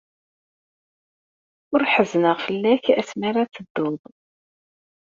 Ur ḥezzneɣ fell-ak asmi ara tedduḍ.